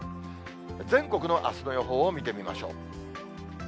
全国のあすの予報を見てみましょう。